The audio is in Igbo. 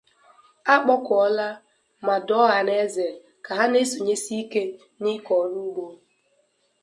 A kpọkuola ma dụọ ọhaneze ka ha na-esonyesi ike n'ịkọ ọrụ ugbo